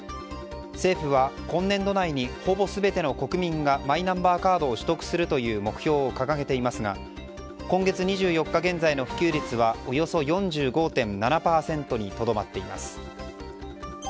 政府は今年度内にほぼ全ての国民がマイナンバーカードを取得するという目標を掲げていますが今月２４日現在の普及率はおよそ４５．７％にとどまっています。